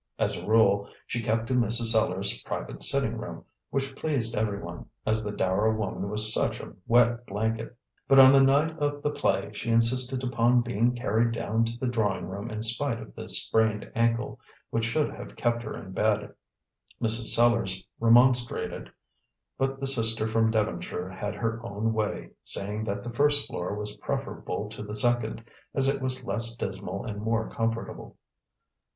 As a rule she kept to Mrs. Sellars' private sitting room, which pleased everyone, as the dour woman was such a wet blanket. But on the night of the play she insisted upon being carried down to the drawing room in spite of the sprained ankle, which should have kept her in bed. Mrs. Sellars remonstrated, but the sister from Devonshire had her own way, saying that the first floor was preferable to the second, as it was less dismal and more comfortable.